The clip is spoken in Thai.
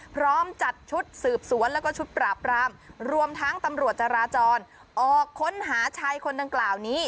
พร้อมจัดชุดสืบสวนแล้วก็ชุดปราบรามรวมทั้งตำรวจจราจรออกค้นหาชายคนดังกล่าวนี้